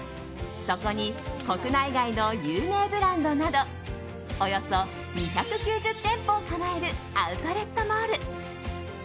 そこに国内外の有名ブランドなどおよそ２９０店舗を構えるアウトレットモール。